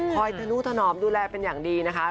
ธนุถนอมดูแลเป็นอย่างดีนะคะ